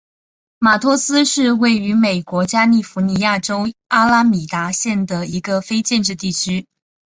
马托斯是位于美国加利福尼亚州阿拉米达县的一个非建制地区。